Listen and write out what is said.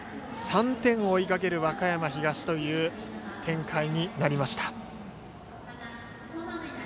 ３点を追いかける和歌山東という展開になりました。